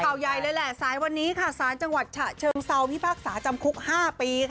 ข่าวใหญ่เลยแหละสายวันนี้ค่ะสารจังหวัดฉะเชิงเซาพิพากษาจำคุก๕ปี